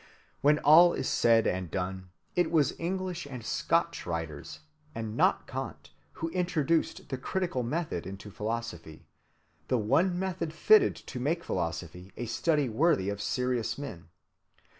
When all is said and done, it was English and Scotch writers, and not Kant, who introduced "the critical method" into philosophy, the one method fitted to make philosophy a study worthy of serious men.